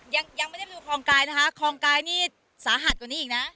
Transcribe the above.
ยังไม่ได้ไปดูคลองกายนะคะคลองกายนี่สาหัสกว่านี้อีกนะ